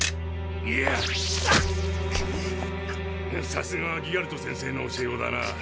さすがはギガルト先生の教え子だな。